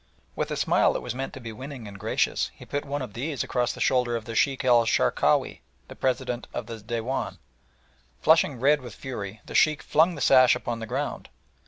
With a smile that was meant to be winning and gracious, he put one of these across the shoulder of the Sheikh el Sharkawi, the President of the Dewan. Flushing red with fury, the Sheikh flung the sash upon the ground.